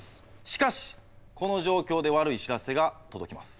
しかしこの状況で悪い知らせが届きます。